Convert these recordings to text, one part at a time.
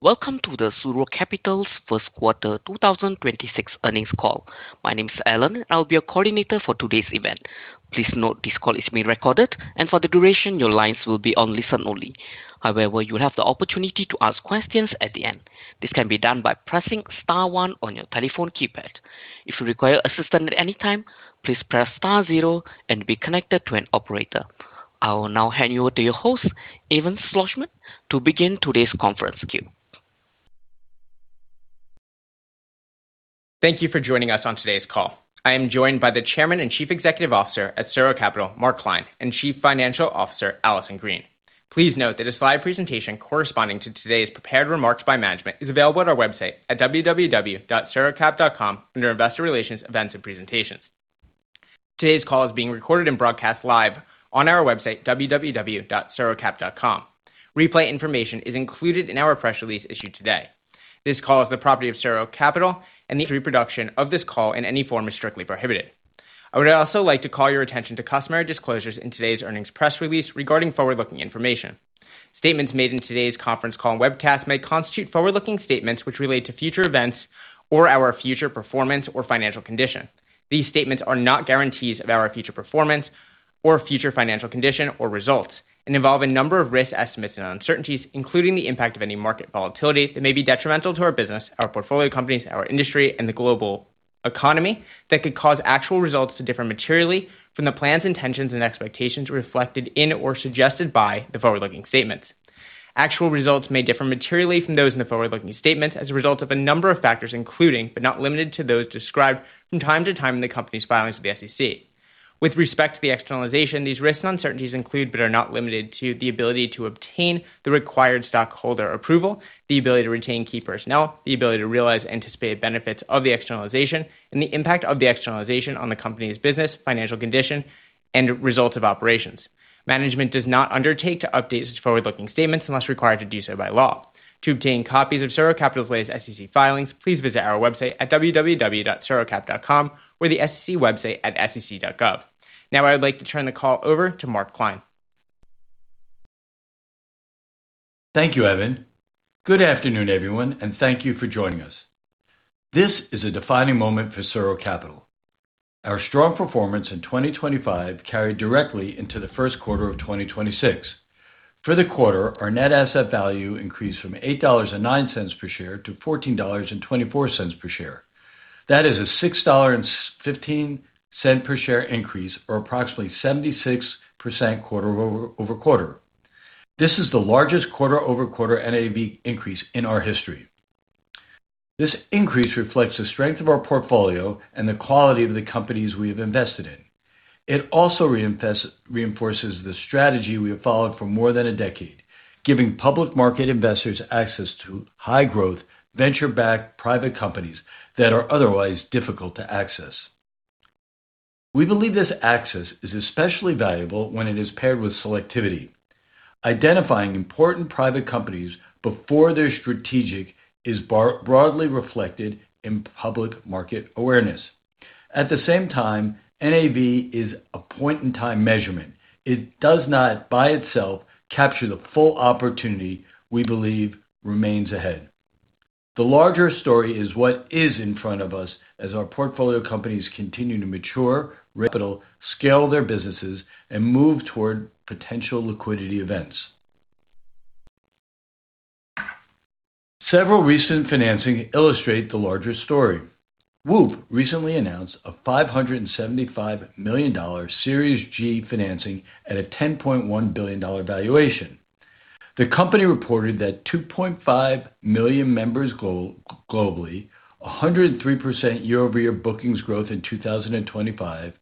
Welcome to the SuRo Capital's 1st quarter 2026 Earnings Call. My name is Alan, I'll be your coordinator for today's event. Please note this call is being recorded and for the duration, your lines will be on listen only. You'll have the opportunity to ask questions at the end. This can be done by pressing star one on your telephone keypad. If you require assistance at any time, please press star zero and be connected to an operator. I will now hand you to your host, Evan Schlossman, to begin today's conference queue. Thank you for joining us on today's call. I am joined by the Chairman and Chief Executive Officer at SuRo Capital, Mark Klein, and Chief Financial Officer, Allison Green. Please note that a slide presentation corresponding to today's prepared remarks by management is available at our website at www.surocap.com under Investor Relations, Events, and Presentations. Today's call is being recorded and broadcast live on our website, www.surocap.com. Replay information is included in our press release issued today. This call is the property of SuRo Capital, and the reproduction of this call in any form is strictly prohibited. I would also like to call your attention to customary disclosures in today's earnings press release regarding forward-looking information. Statements made in today's conference call and webcast may constitute forward-looking statements which relate to future events or our future performance or financial condition. These statements are not guarantees of our future performance or future financial condition or results and involve a number of risks, estimates, and uncertainties, including the impact of any market volatility that may be detrimental to our business, our portfolio companies, our industry, and the global economy that could cause actual results to differ materially from the plans, intentions, and expectations reflected in or suggested by the forward-looking statements. Actual results may differ materially from those in the forward-looking statements as a result of a number of factors including, but not limited to, those described from time to time in the company's filings with the SEC. With respect to the externalization, these risks and uncertainties include, but are not limited to, the ability to obtain the required stockholder approval, the ability to retain key personnel, the ability to realize anticipated benefits of the externalization, and the impact of the externalization on the company's business, financial condition, and results of operations. Management does not undertake to update its forward-looking statements unless required to do so by law. To obtain copies of SuRo Capital's latest SEC filings, please visit our website at www.surocap.com or the SEC website at sec.gov. Now I would like to turn the call over to Mark Klein. Thank you, Evan. Good afternoon, everyone, and thank you for joining us. This is a defining moment for SuRo Capital. Our strong performance in 2025 carried directly into the first quarter of 2026. For the quarter, our NAV increased from $8.09 per share to $14.24 per share. That is a $6.15 per share increase or approximately 76% quarter-over-quarter. This is the largest quarter-over-quarter NAV increase in our history. This increase reflects the strength of our portfolio and the quality of the companies we have invested in. It also reinforces the strategy we have followed for more than a decade, giving public market investors access to high growth, venture-backed private companies that are otherwise difficult to access. We believe this access is especially valuable when it is paired with selectivity. Identifying important private companies before they're strategic is broadly reflected in public market awareness. At the same time, NAV is a point in time measurement. It does not by itself capture the full opportunity we believe remains ahead. The larger story is what is in front of us as our portfolio companies continue to mature, raise capital, scale their businesses, and move toward potential liquidity events. Several recent financing illustrate the larger story. WHOOP recently announced a $575 million Series G financing at a $10.1 billion valuation. The company reported that 2.5 million members globally, 103% year-over-year bookings growth in 2025,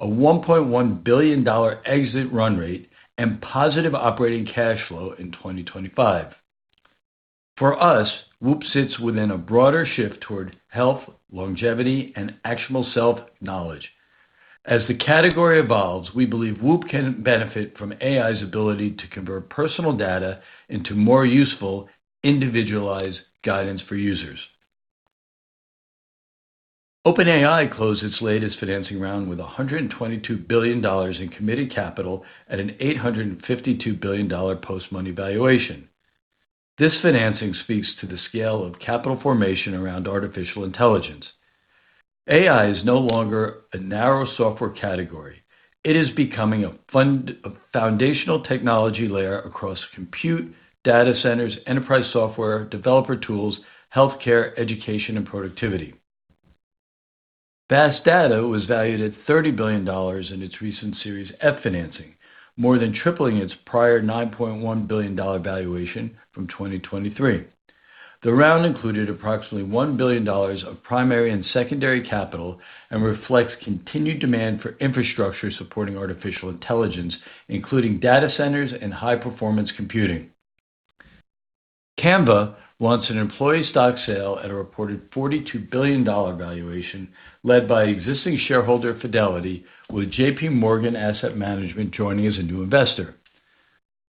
a $1.1 billion exit run rate, and positive operating cash flow in 2025. For us, WHOOP sits within a broader shift toward health, longevity, and actionable self-knowledge. As the category evolves, we believe WHOOP can benefit from AI's ability to convert personal data into more useful, individualized guidance for users. OpenAI closed its latest financing round with $122 billion in committed capital at an $852 billion post-money valuation. This financing speaks to the scale of capital formation around Artificial Intelligence. AI is no longer a narrow software category. It is becoming a foundational technology layer across compute, data centers, enterprise software, developer tools, healthcare, education, and productivity. Vast Data was valued at $30 billion in its recent Series F financing, more than tripling its prior $9.1 billion valuation from 2023. The round included approximately $1 billion of primary and secondary capital and reflects continued demand for infrastructure supporting Artificial Intelligence, including data centers and high-performance computing. Canva launched an employee stock-sale at a reported $42 billion valuation led by existing shareholder Fidelity, with J.P. Morgan Asset Management joining as a new investor.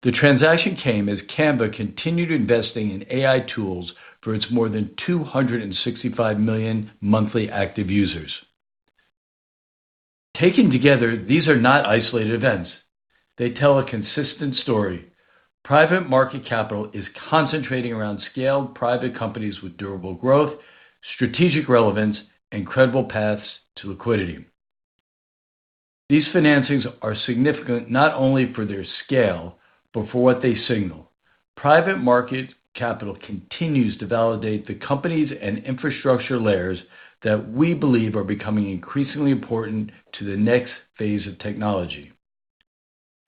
The transaction came as Canva continued investing in AI tools for its more than 265 million monthly active users. Taken together, these are not isolated events. They tell a consistent story. Private market capital is concentrating around scaled private companies with durable growth, strategic relevance, and credible paths to liquidity. These financings are significant not only for their scale, but for what they signal. Private market capital continues to validate the companies and infrastructure layers that we believe are becoming increasingly important to the next phase of technology.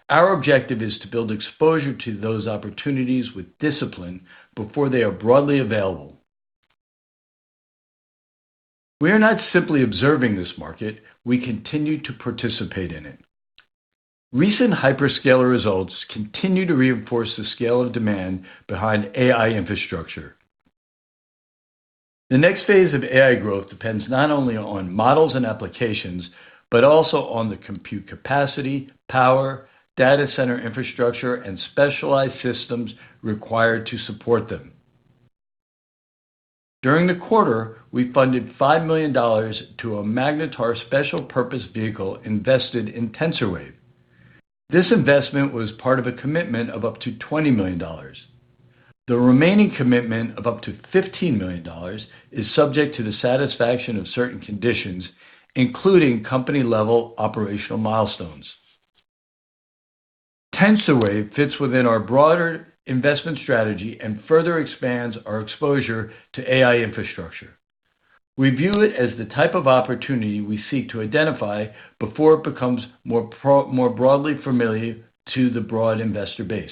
Our objective is to build exposure to those opportunities with discipline before they are broadly available. We are not simply observing this market, we continue to participate in it. Recent hyperscaler results continue to reinforce the scale of demand behind AI infrastructure. The next phase of AI growth depends not only on models and applications, but also on the compute capacity, power, data center infrastructure, and specialized systems required to support them. During the quarter, we funded $5 million to a Magnetar special purpose vehicle invested in TensorWave. This investment was part of a commitment of up to $20 million. The remaining commitment of up to $15 million is subject to the satisfaction of certain conditions, including company-level operational milestones. TensorWave fits within our broader investment strategy and further expands our exposure to AI infrastructure. We view it as the type of opportunity we seek to identify before it becomes more broadly familiar to the broad investor base.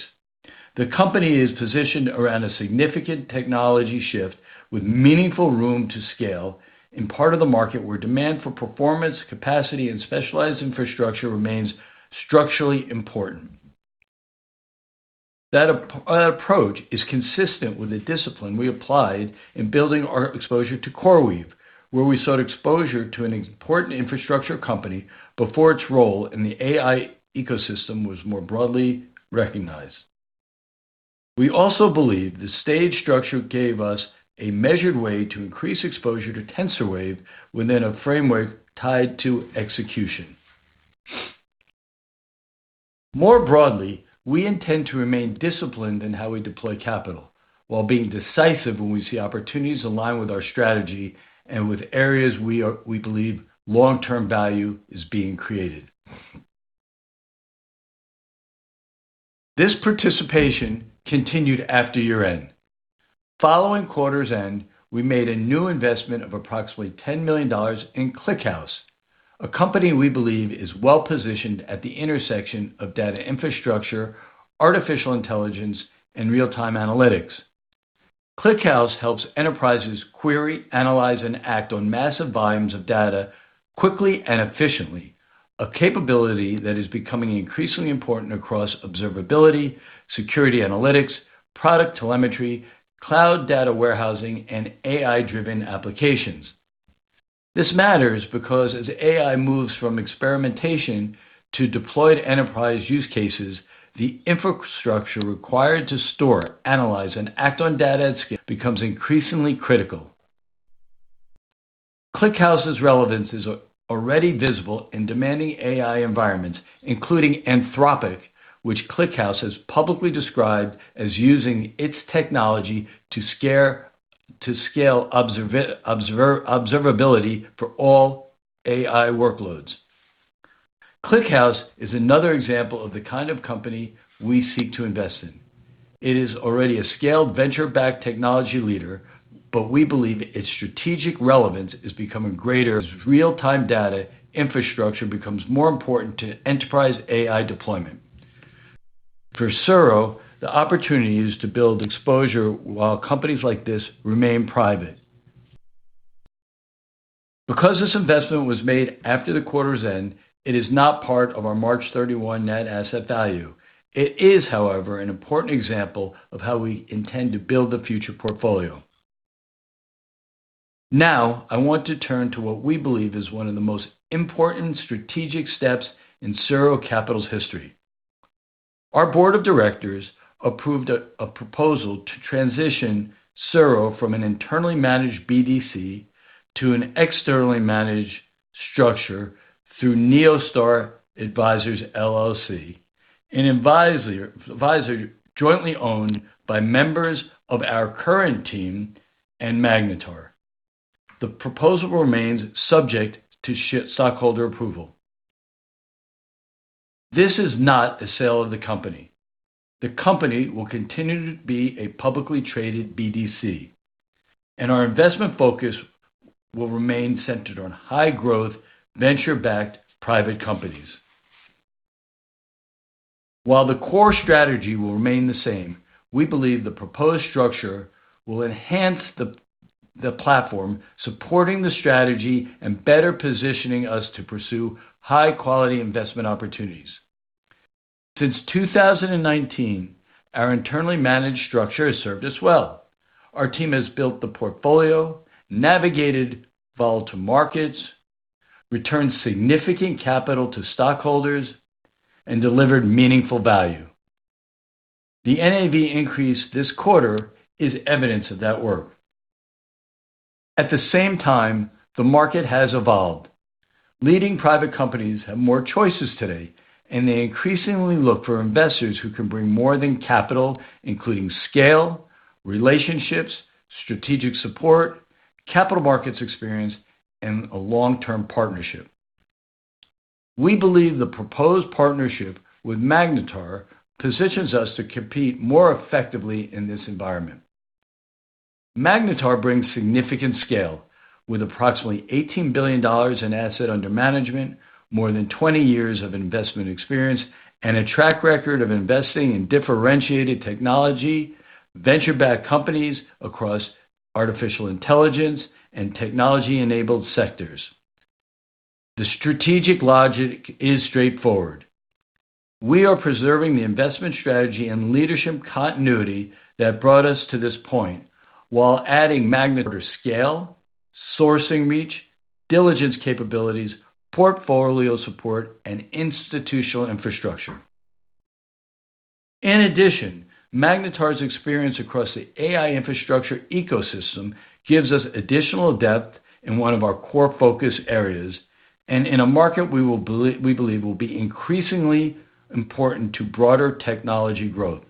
The company is positioned around a significant technology shift with meaningful room to scale in part of the market where demand for performance, capacity, and specialized infrastructure remains structurally important. That approach is consistent with the discipline we applied in building our exposure to CoreWeave, where we sought exposure to an important infrastructure company before its role in the AI ecosystem was more broadly recognized. We also believe the stage structure gave us a measured way to increase exposure to TensorWave within a framework tied to execution. More broadly, we intend to remain disciplined in how we deploy capital while being decisive when we see opportunities align with our strategy and with areas we believe long-term value is being created. This participation continued after year-end. Following quarter's end, we made a new investment of approximately $10 million in ClickHouse, a company we believe is well-positioned at the intersection of data infrastructure, Artificial Intelligence, and real-time analytics. ClickHouse helps enterprises query, analyze, and act on massive volumes of data quickly and efficiently, a capability that is becoming increasingly important across observability, security analytics, product telemetry, cloud data warehousing, and AI-driven applications. This matters because as AI moves from experimentation to deployed enterprise use cases, the infrastructure required to store, analyze, and act on data at scale becomes increasingly critical. ClickHouse's relevance is already visible in demanding AI environments, including Anthropic, which ClickHouse has publicly described as using its technology to scale observability for all AI workloads. ClickHouse is another example of the kind of company we seek to invest in. It is already a scaled venture-backed technology leader, but we believe its strategic relevance is becoming greater as real-time data infrastructure becomes more important to enterprise AI deployment. For SuRo, the opportunity is to build exposure while companies like this remain private. Because this investment was made after the quarter's end, it is not part of our March 31 net asset value. It is, however, an important example of how we intend to build the future portfolio. Now, I want to turn to what we believe is one of the most important strategic steps in SuRo Capital's history. Our board of directors approved a proposal to transition SuRo from an internally managed BDC to an externally managed structure through Neostellar Advisors LLC, an advisor jointly owned by members of our current team and Magnetar. The proposal remains subject to stockholder approval. This is not a sale of the company. The company will continue to be a publicly traded BDC, and our investment focus will remain centered on high-growth, venture-backed private companies. While the core strategy will remain the same, we believe the proposed structure will enhance the platform, supporting the strategy and better positioning us to pursue high-quality investment opportunities. Since 2019, our internally managed structure has served us well. Our team has built the portfolio, navigated volatile markets, returned significant capital to stockholders, and delivered meaningful value. The NAV increase this quarter is evidence of that work. At the same time, the market has evolved. Leading private companies have more choices today, and they increasingly look for investors who can bring more than capital, including scale, relationships, strategic support, capital markets experience, and a long-term partnership. We believe the proposed partnership with Magnetar positions us to compete more effectively in this environment. Magnetar brings significant scale with approximately $18 billion in asset under management, more than 20 years of investment experience, and a track record of investing in differentiated technology, venture-backed companies across Artificial Intelligence and technology-enabled sectors. The strategic logic is straightforward. We are preserving the investment strategy and leadership continuity that brought us to this point, while adding Magnetar's scale, sourcing reach, diligence capabilities, portfolio support, and institutional infrastructure. Magnetar's experience across the AI infrastructure ecosystem gives us additional depth in one of our core focus areas and in a market we believe will be increasingly important to broader technology growth.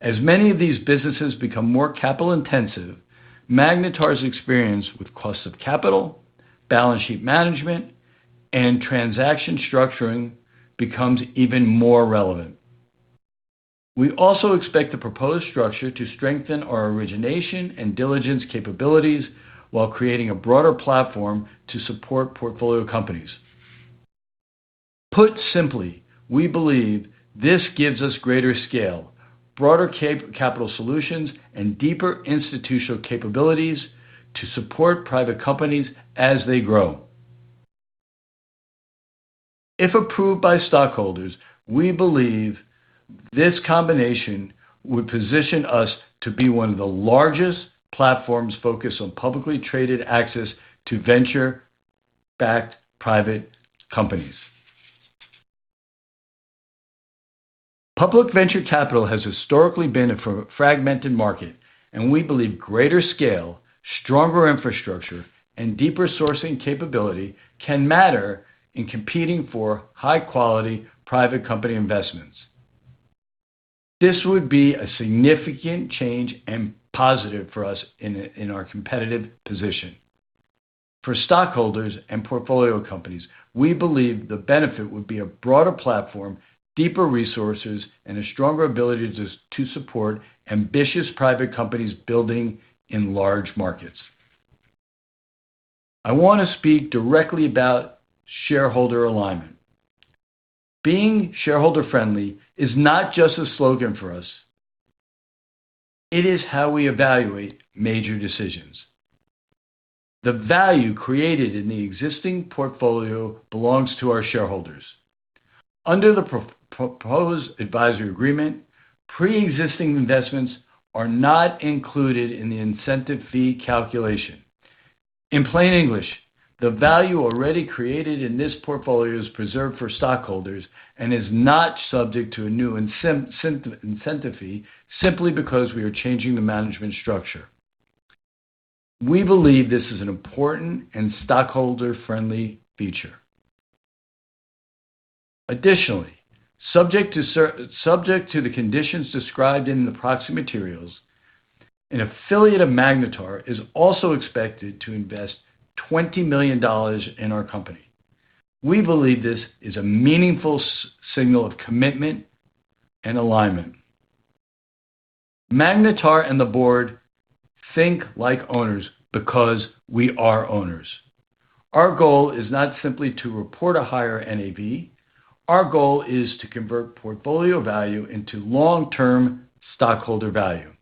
As many of these businesses become more capital-intensive, Magnetar's experience with cost of capital, balance sheet management, and transaction structuring becomes even more relevant. We also expect the proposed structure to strengthen our origination and diligence capabilities while creating a broader platform to support portfolio companies. Put simply, we believe this gives us greater scale, broader capital solutions, and deeper institutional capabilities to support private companies as they grow. If approved by stockholders, we believe this combination would position us to be one of the largest platforms focused on publicly traded access to venture-backed private companies. Public venture capital has historically been a fragmented market. We believe greater scale, stronger infrastructure, and deeper sourcing capability can matter in competing for high-quality private company investments. This would be a significant change and positive for us in our competitive position. For stockholders and portfolio companies, we believe the benefit would be a broader platform, deeper resources, and a stronger ability to support ambitious private companies building in large markets. I want to speak directly about shareholder alignment. Being shareholder friendly is not just a slogan for us. It is how we evaluate major decisions. The value created in the existing portfolio belongs to our shareholders. Under the proposed advisory agreement, pre-existing investments are not included in the incentive fee calculation. In plain English, the value already created in this portfolio is preserved for stockholders and is not subject to a new incentive fee simply because we are changing the management structure. We believe this is an important and stockholder-friendly feature. Additionally, subject to the conditions described in the proxy materials, an affiliate of Magnetar is also expected to invest $20 million in our company. We believe this is a meaningful signal of commitment and alignment. Magnetar and the board think like owners because we are owners. Our goal is not simply to report a higher NAV. Our goal is to convert portfolio value into long-term stockholder value.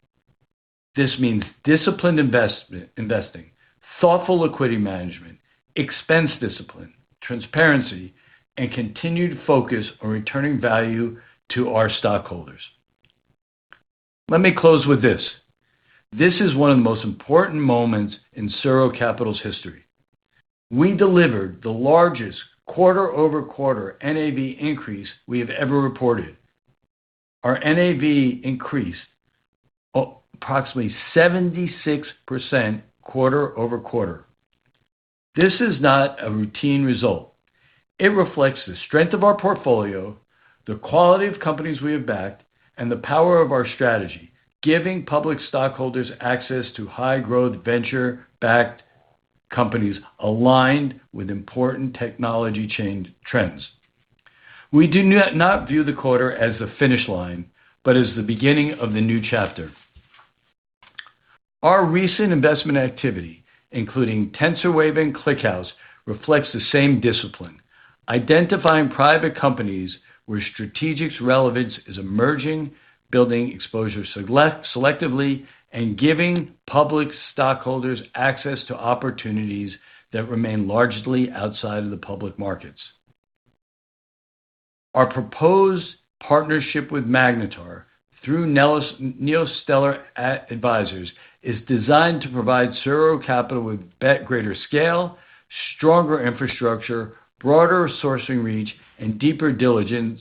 This means disciplined investing, thoughtful liquidity management, expense discipline, transparency, and continued focus on returning value to our stockholders. Let me close with this. This is one of the most important moments in SuRo Capital's history. We delivered the largest quarter-over-quarter NAV increase we have ever reported. Our NAV increased approximately 76% quarter-over-quarter. This is not a routine result. It reflects the strength of our portfolio, the quality of companies we have backed, and the power of our strategy, giving public stockholders access to high-growth, venture-backed companies aligned with important technology change trends. We do not view the quarter as the finish line but as the beginning of the new chapter. Our recent investment activity, including TensorWave and ClickHouse, reflects the same discipline: identifying private companies where strategic relevance is emerging, building exposure selectively, and giving public stockholders access to opportunities that remain largely outside of the public markets. Our proposed partnership with Magnetar through Neostellar Advisors LLC is designed to provide SuRo Capital with greater scale, stronger infrastructure, broader sourcing reach, and deeper diligence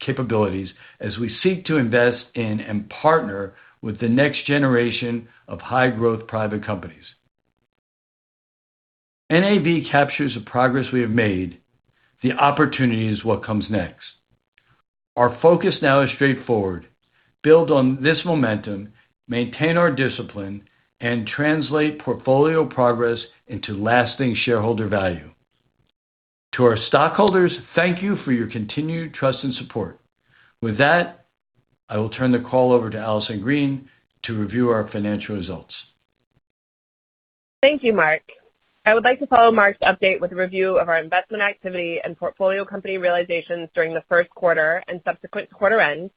capabilities as we seek to invest in and partner with the next generation of high-growth private companies. NAV captures the progress we have made. The opportunity is what comes next. Our focus now is straightforward, build on this momentum, maintain our discipline, and translate portfolio progress into lasting shareholder value. To our stockholders, thank you for your continued trust and support. With that, I will turn the call over to Allison Green to review our financial results. Thank you, Mark. I would like to follow Mark's update with a review of our investment activity and portfolio company realizations during the first quarter and subsequent to quarter end,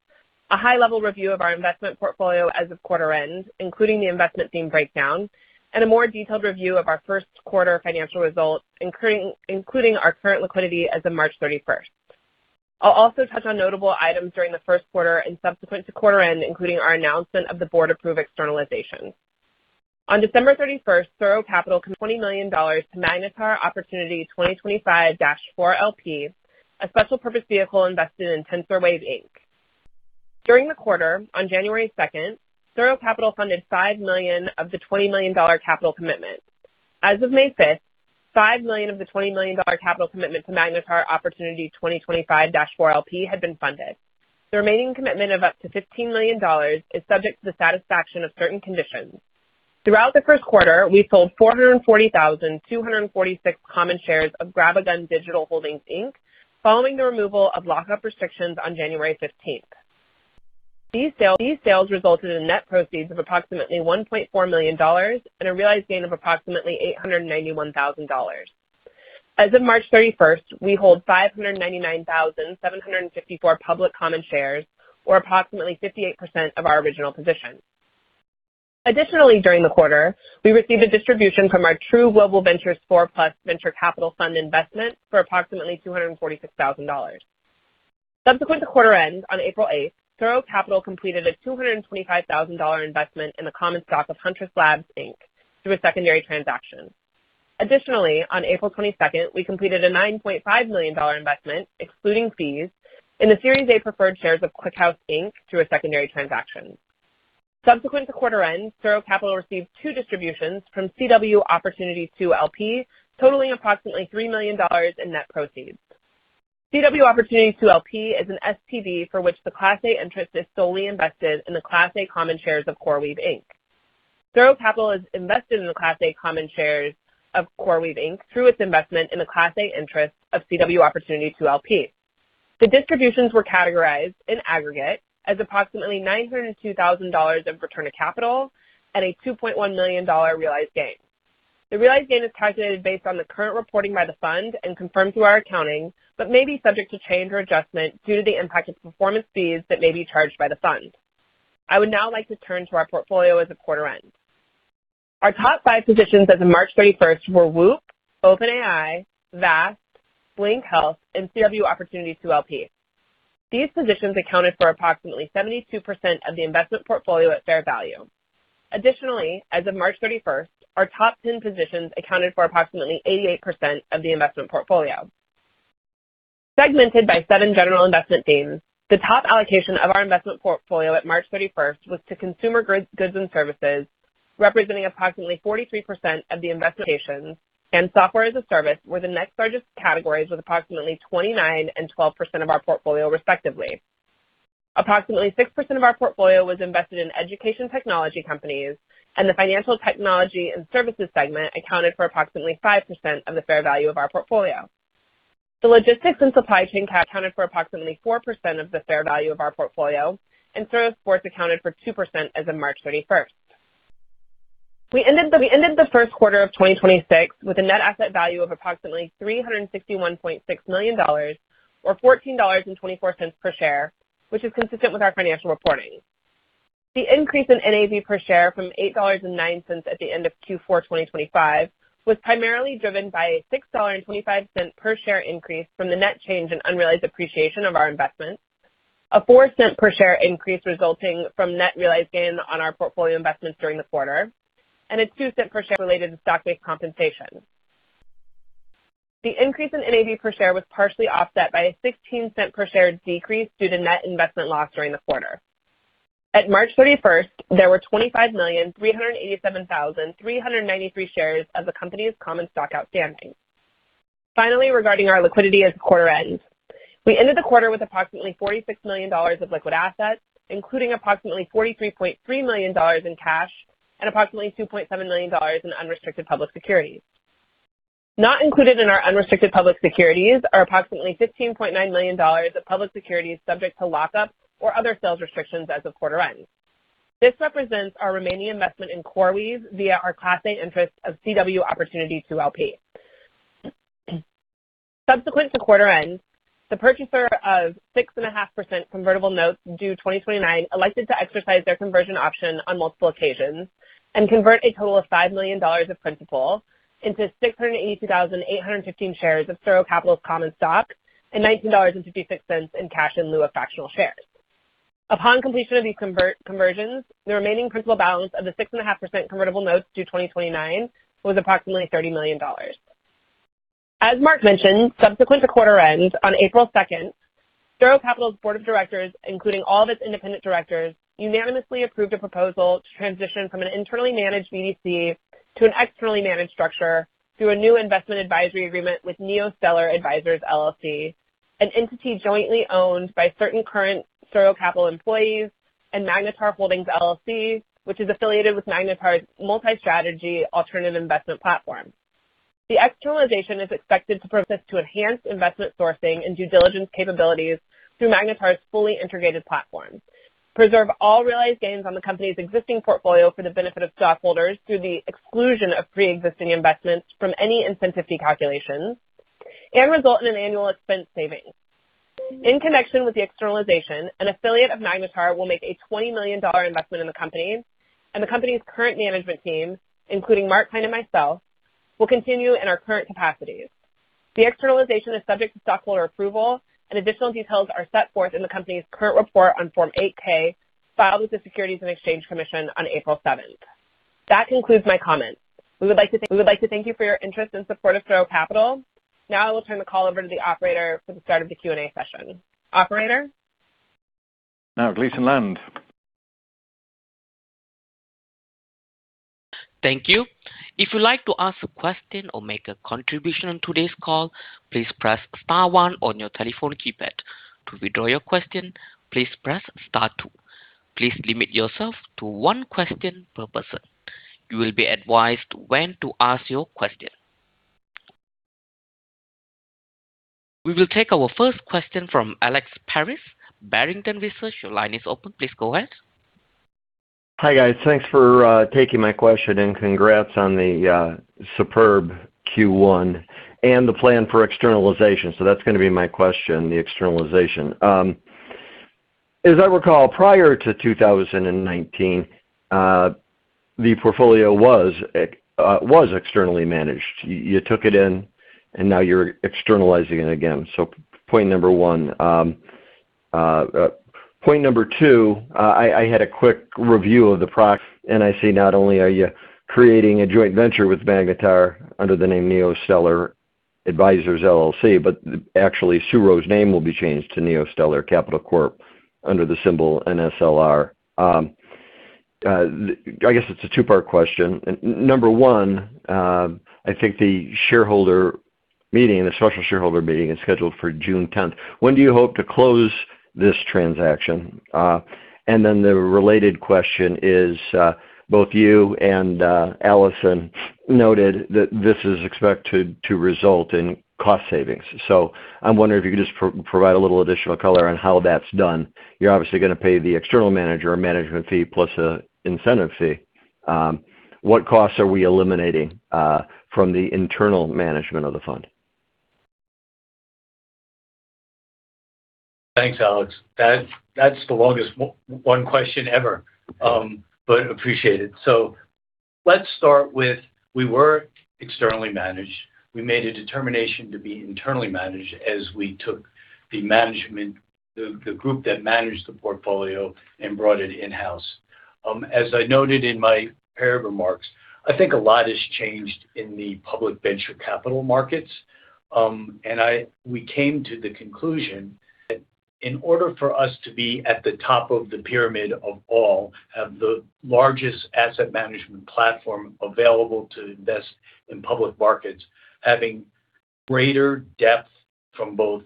a high-level review of our investment portfolio as of quarter end, including the investment theme breakdown, and a more detailed review of our first quarter financial results, including our current liquidity as of March 31st. I'll also touch on notable items during the first quarter and subsequent to quarter end, including our announcement of the board-approved externalization. On December 31st, SuRo Capital committed $20 million to Magnetar Opportunity 2025-4 LP, a special-purpose vehicle invested in TensorWave, Inc. During the quarter, on January 2nd, SuRo Capital funded $5 million of the $20 million capital commitment. As of May 5th, $5 million of the $20 million capital commitment to Magnetar Opportunity 2025-4 LP had been funded. The remaining commitment of up to $15 million is subject to the satisfaction of certain conditions. Throughout the 1st quarter, we sold 440,246 common shares of GrabAGun Digital Holdings Inc. Following the removal of lock-up restrictions on January 15th. These sales resulted in net proceeds of approximately $1.4 million and a realized gain of approximately $891,000. As of March 31st, we hold 599,754 public common shares, or approximately 58% of our original position. Additionally, during the quarter, we received a distribution from our True Global Ventures 4 Plus venture capital fund investment for approximately $246,000. Subsequent to quarter end, on April 8th, SuRo Capital completed a $225,000 investment in the common stock of Huntress Labs, Inc. Through a secondary transaction. Additionally, on April 22nd, we completed a $9.5 million investment, excluding fees, in the Series A preferred shares of ClickHouse, Inc. Through a secondary transaction. Subsequent to quarter end, SuRo Capital received two distributions from CW Opportunity 2 LP, totaling approximately $3 million in net proceeds. CW Opportunity 2 LP is an SPV for which the Class A interest is solely invested in the Class A common shares of CoreWeave, Inc. SuRo Capital is invested in the Class A common shares of CoreWeave, Inc. Through its investment in the Class A interest of CW Opportunity 2 LP. The distributions were categorized in aggregate as approximately $902,000 of return of capital at a $2.1 million realized gain. The realized gain is calculated based on the current reporting by the fund and confirmed through our accounting but may be subject to change or adjustment due to the impact of performance fees that may be charged by the fund. I would now like to turn to our portfolio as of quarter end. Our top five positions as of March 31st were WHOOP, OpenAI, Vast, Blink Health, and CW Opportunity 2 LP. These positions accounted for approximately 72% of the investment portfolio at fair value. Additionally, as of March 31st, our top 10 positions accounted for approximately 88% of the investment portfolio. Segmented by seven general investment themes, the top allocation of our investment portfolio at March 31st was to consumer goods and services, representing approximately 43% of the investment allocations, and software as a service were the next largest categories, with approximately 29% and 12% of our portfolio respectively. Approximately 6% of our portfolio was invested in education technology companies, and the financial technology and services segment accounted for approximately 5% of the fair value of our portfolio. The logistics and supply chain category accounted for approximately 4% of the fair value of our portfolio, and SuRo Sports accounted for 2% as of March 31st. We ended the first quarter of 2026 with a net asset value of approximately $361.6 million or $14.24 per share, which is consistent with our financial reporting. The increase in NAV per share from $8.09 at the end of Q4 2025 was primarily driven by a $6.25 per share increase from the net change in unrealized appreciation of our investments, a $0.04 per share increase resulting from net realized gain on our portfolio investments during the quarter, and a $0.02 per share related to stock-based compensation. The increase in NAV per share was partially offset by a $0.16 per share decrease due to net investment loss during the quarter. At March 31st, there were 25,387,393 shares of the company's common stock outstanding. Finally, regarding our liquidity as of quarter end, we ended the quarter with approximately $46 million of liquid assets, including approximately $43.3 million in cash and approximately $2.7 million in unrestricted public securities. Not included in our unrestricted public securities are approximately $15.9 million of public securities subject to lock-up or other sales restrictions as of quarter end. This represents our remaining investment in CoreWeave via our Class A interest of CW Opportunity 2 LP. Subsequent to quarter end, the purchaser of 6.5% convertible notes due 2029 elected to exercise their conversion option on multiple occasions and convert a total of $5 million of principal into 682,815 shares of SuRo Capital's common stock and $19.56 in cash in lieu of fractional shares. Upon completion of these conversions, the remaining principal balance of the 6.5% convertible notes due 2029 was approximately $30 million. As Mark mentioned, subsequent to quarter end, on April 2nd, SuRo Capital's board of directors, including all of its independent directors, unanimously approved a proposal to transition from an internally managed BDC to an externally managed structure through a new investment advisory agreement with Neostellar Advisors LLC, an entity jointly owned by certain current SuRo Capital employees and Magnetar Holdings LLC, which is affiliated with Magnetar's multi-strategy alternative investment platform. The externalization is expected to enhance investment sourcing and due diligence capabilities through Magnetar's fully integrated platform, preserve all realized gains on the company's existing portfolio for the benefit of stockholders through the exclusion of pre-existing investments from any incentive fee calculations, and result in an annual expense savings. In connection with the externalization, an affiliate of Magnetar will make a $20 million investment in the company, and the company's current management team, including Mark Klein and myself, will continue in our current capacities. The externalization is subject to stockholder approval, and additional details are set forth in the company's current report on Form 8-K filed with the Securities and Exchange Commission on April 7th. That concludes my comments. We would like to thank you for your interest and support of SuRo Capital. I will turn the call over to the operator for the start of the Q&A session. Operator? Now, please Land. Thank you. If you'd like to ask a question or make a contribution on today's call, please press star one on your telephone keypad. To withdraw your question, please press star two. Please limit yourself to one question per person. You will be advised when to ask your question. We will take our first question from Alex Paris, Barrington Research. Your line is open. Please go ahead. Hi, guys. Thanks for taking my question and congrats on the superb Q1 and the plan for externalization. That's going to be my question, the externalization. As I recall, prior to 2019, the portfolio was externally managed. You took it in, and now you're externalizing it again. Point number one. Point number two, I had a quick review of the prox, and I see not only are you creating a joint venture with Magnetar under the name Neostellar Advisors LLC, but actually SuRo's name will be changed to Neostellar Capital Corp. under the symbol NSLR. I guess it's a two-part question. Number one, I think the shareholder meeting, the special shareholder meeting is scheduled for June 10th. When do you hope to close this transaction? The related question is, both you and Allison Green noted that this is expected to result in cost savings. I'm wondering if you could just provide a little additional color on how that's done. You're obviously gonna pay the external manager a management fee plus a incentive fee. What costs are we eliminating from the internal management of the fund? Thanks, Alex. That's the longest one question ever, appreciate it. Let's start with we were externally managed. We made a determination to be internally managed as we took the management the group that managed the portfolio and brought it in-house. As I noted in my pair of remarks, I think a lot has changed in the public venture capital markets. We came to the conclusion that in order for us to be at the top of the pyramid of all, have the largest asset management platform available to invest in public markets, having greater depth from both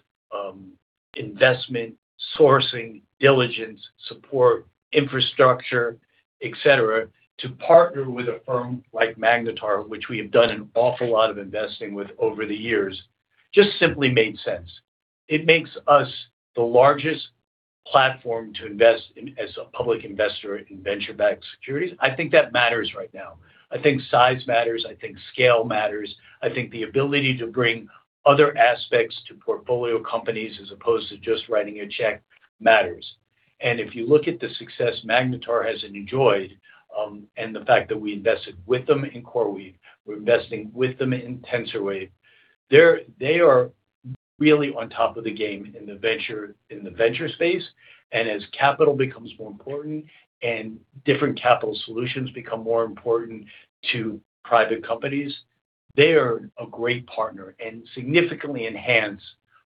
investment, sourcing, diligence, support, infrastructure, et cetera, to partner with a firm like Magnetar, which we have done an awful lot of investing with over the years, just simply made sense. It makes us the largest platform as a public investor in venture-backed securities. I think that matters right now. I think size matters. I think scale matters. I think the ability to bring other aspects to portfolio companies as opposed to just writing a check matters. If you look at the success Magnetar has enjoyed, and the fact that we invested with them in CoreWeave, we are investing with them in TensorWave, they are really on top of the game in the venture space. As capital becomes more important and different capital solutions become more important to private companies, they are a great partner and significantly enhance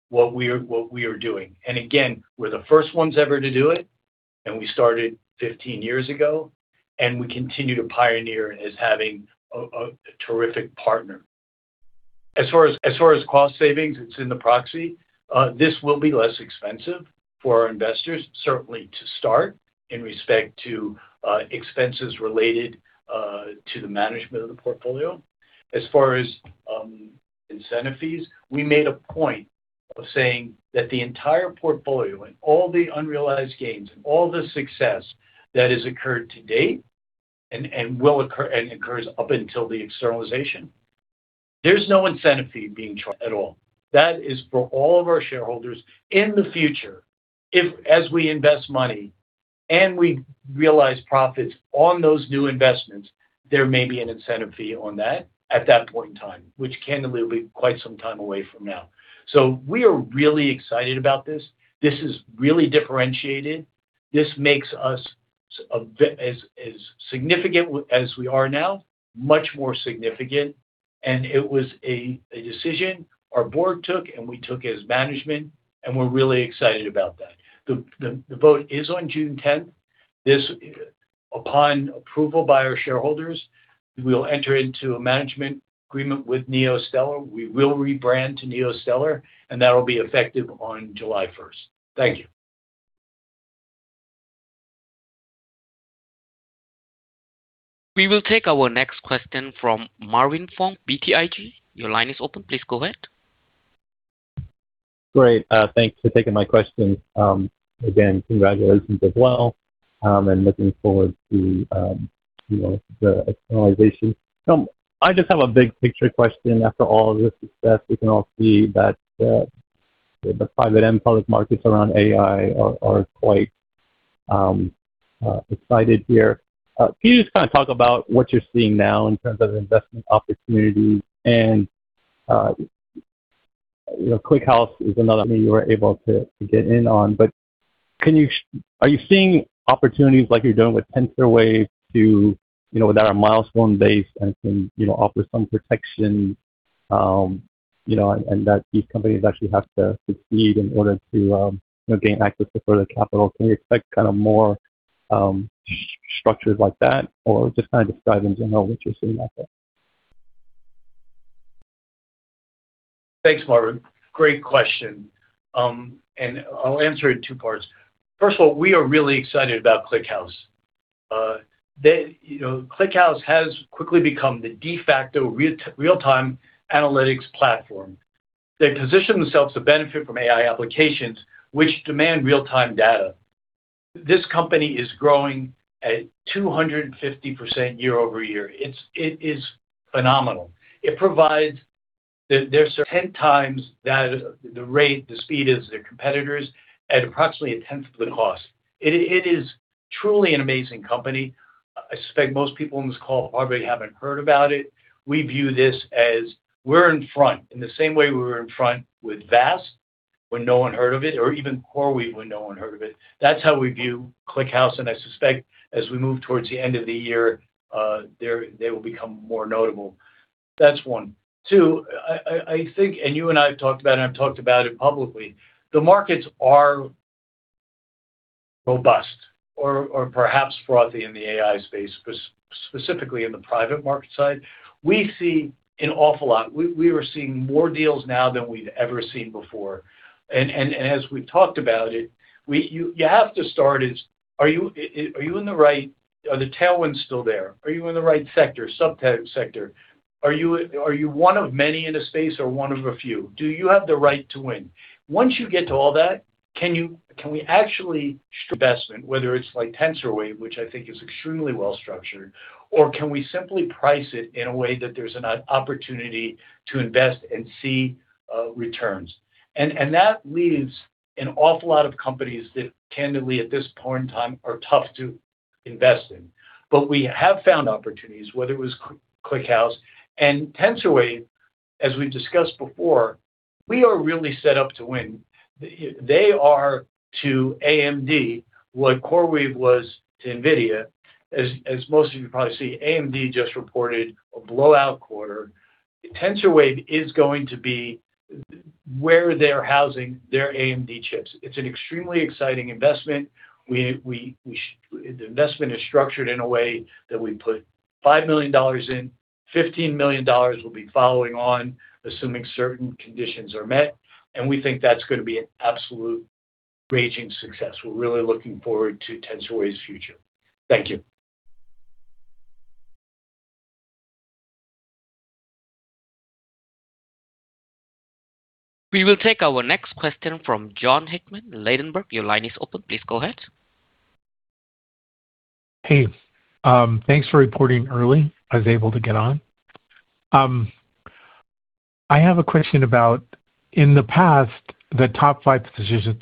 what we are doing. Again, we're the first ones ever to do it, and we started 15 years ago, and we continue to pioneer as having a terrific partner. As far as cost savings, it's in the proxy. This will be less expensive for our investors, certainly to start, in respect to expenses related to the management of the portfolio. As far as incentive fees, we made a point of saying that the entire portfolio and all the unrealized gains and all the success that has occurred to date and will occur and occurs up until the externalization, there's no incentive fee being charged at all. That is for all of our shareholders. In the future, as we invest money and we realize profits on those new investments. There may be an incentive fee on that at that point in time, which candidly will be quite some time away from now. We are really excited about this. This is really differentiated. This makes us as significant as we are now, much more significant. It was a decision our board took and we took as management. We're really excited about that. The vote is on June 10th. Upon approval by our shareholders, we will enter into a management agreement with Neostellar. We will rebrand to Neostellar. That'll be effective on July 1st. Thank you. We will take our next question from Marvin Fong, BTIG. Your line is open. Please go ahead. Great. Thanks for taking my question. Again, congratulations as well, and looking forward to, you know, the externalization. I just have a big picture question. After all of this success, we can all see that the private and public markets around AI are quite excited here. Can you just kinda talk about what you're seeing now in terms of investment opportunities and, you know, ClickHouse is another thing you were able to get in on. But are you seeing opportunities like you're doing with TensorWave to, you know, that are milestone-based and can, you know, offer some protection, you know, and that these companies actually have to succeed in order to, you know, gain access to further capital? Can we expect kinda more structures like that, or just kind of describe in general what you're seeing out there? Thanks, Marvin. Great question. I'll answer it in two parts. First of all, we are really excited about ClickHouse. They, you know, ClickHouse has quickly become the de facto real-time analytics platform. They position themselves to benefit from AI applications which demand real-time data. This company is growing at 250% year-over-year. It is phenomenal. It provides Their 10x that the rate, the speed as their competitors at approximately a 10th of the cost. It is truly an amazing company. I suspect most people on this call probably haven't heard about it. We view this as we're in front in the same way we were in front with Vast when no one heard of it or even CoreWeave when no one heard of it. That's how we view ClickHouse. I suspect as we move towards the end of the year, they will become more notable. That's one. Two, I think, you and I have talked about it, I've talked about it publicly, the markets are robust or perhaps frothy in the AI space, specifically in the private market side. We see an awful lot. We are seeing more deals now than we've ever seen before. As we've talked about it, you have to start as are you in the right Are the tailwinds still there? Are you in the right sector, subsector? Are you one of many in a space or one of a few? Do you have the right to win? Once you get to all that, can we actually investment, whether it's like TensorWave, which I think is extremely well structured, or can we simply price it in a way that there's an opportunity to invest and see returns? That leaves an awful lot of companies that candidly at this point in time are tough to invest in. We have found opportunities, whether it was ClickHouse and TensorWave, as we've discussed before, we are really set up to win. They are to AMD what CoreWeave was to NVIDIA. As most of you probably see, AMD just reported a blowout quarter. TensorWave is going to be where they're housing their AMD chips. It's an extremely exciting investment. The investment is structured in a way that we put $5 million in, $15 million will be following on, assuming certain conditions are met. We think that's gonna be an absolute raging success. We're really looking forward to TensorWave's future. Thank you. We will take our next question from Jon Hickman, Ladenburg. Your line is open. Please go ahead. Hey, thanks for reporting early. I was able to get on. I have a question about, in the past, the top five decisions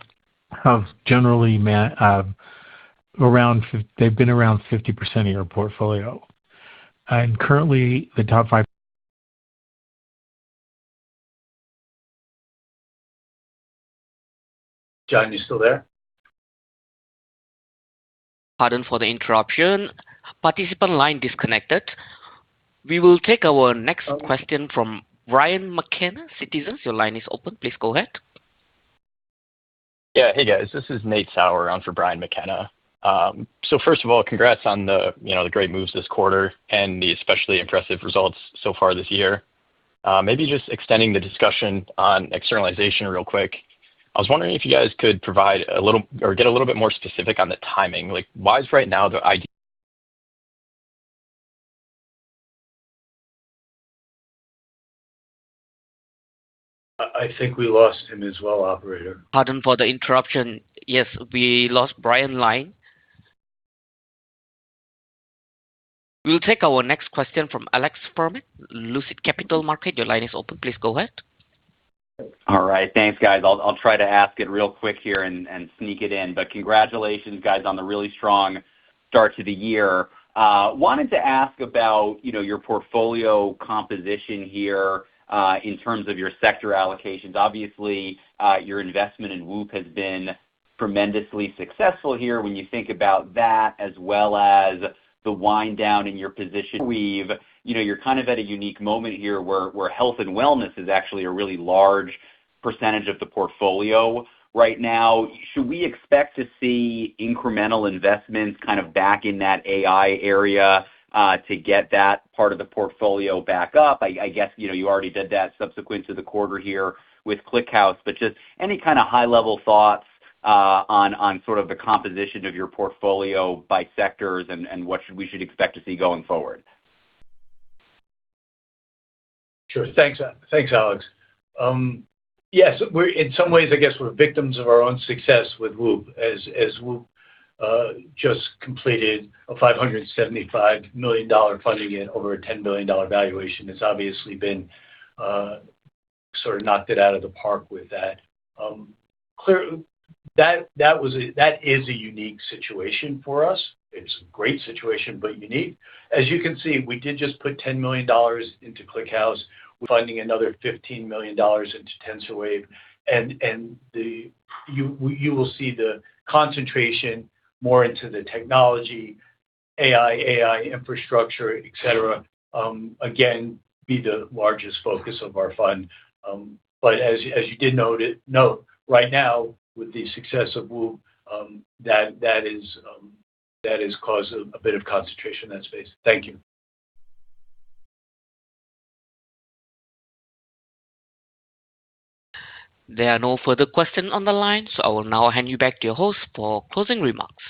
have generally they've been around 50% of your portfolio. Currently, the top five- Jon, you still there? Pardon for the interruption. We will take our next question from Brian McKenna, Citizens. Your line is open. Please go ahead. Yeah. Hey, guys. This is Nate Sauer on for Brian McKenna. First of all, congrats on the, you know, the great moves this quarter and the especially impressive results so far this year. Maybe just extending the discussion on externalization real quick. I was wondering if you guys could provide a little or get a little bit more specific on the timing. Like, why is right now the? I think we lost him as well, operator. Pardon for the interruption. Yes, we lost Brian line. We'll take our next question from Alex Fuhrman, Lucid Capital Markets. Your line is open. Please go ahead. All right. Thanks, guys. I'll try to ask it real quick here and sneak it in. Congratulations, guys, on the really strong start to the year. Wanted to ask about, you know, your portfolio composition here in terms of your sector allocations. Obviously, your investment in WHOOP has been tremendously successful here when you think about that, as well as the wind down in your position. You know, you're kind of at a unique moment here where health and wellness is actually a really large percentage of the portfolio right now. Should we expect to see incremental investments kind of back in that AI area to get that part of the portfolio back up? I guess, you know, you already did that subsequent to the quarter here with ClickHouse. Just any kinda high-level thoughts, on sort of the composition of your portfolio by sectors and, what we should expect to see going forward? Sure. Thanks, thanks, Alex. Yes, in some ways, I guess we're victims of our own success with WHOOP. As WHOOP just completed a $575 million funding in over a $10 billion valuation, it's obviously been sort of knocked it out of the park with that. Clear that is a unique situation for us. It's a great situation, but unique. As you can see, we did just put $10 million into ClickHouse. We're funding another $15 million into TensorWave. You will see the concentration more into the technology, AI infrastructure, et cetera, again, be the largest focus of our fund. As you did note, right now, with the success of WHOOP, that is, that has caused a bit of concentration in that space. Thank you. There are no further questions on the line, so I will now hand you back to your host for closing remarks.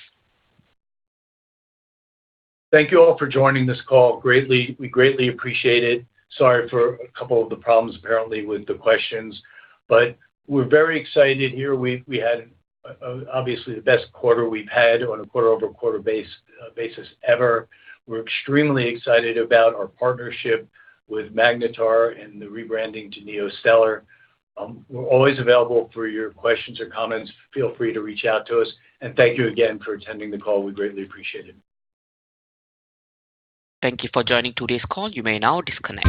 Thank you all for joining this call. We greatly appreciate it. Sorry for a couple of the problems apparently with the questions. We're very excited here. We had, obviously, the best quarter we've had on a quarter-over-quarter basis ever. We're extremely excited about our partnership with Magnetar and the rebranding to Neostellar. We're always available for your questions or comments. Feel free to reach out to us. Thank you again for attending the call. We greatly appreciate it. Thank you for joining today's call. You may now disconnect.